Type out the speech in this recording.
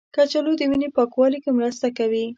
کچالو د وینې پاکوالي کې مرسته کوي.